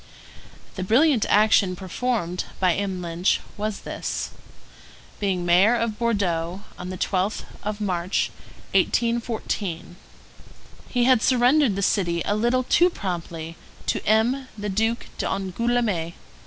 The brilliant action performed by M. Lynch was this: being mayor of Bordeaux, on the 12th of March, 1814, he had surrendered the city a little too promptly to M. the Duke d'Angoulême.